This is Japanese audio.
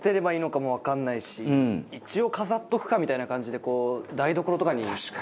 一応飾っとくかみたいな感じでこう。